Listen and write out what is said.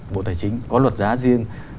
bộ tài chính có luật giá riêng